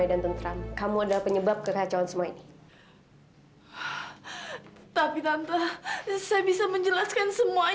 apa lagi penjelasan